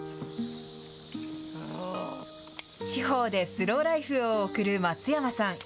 地方でスローライフを送る松山さん。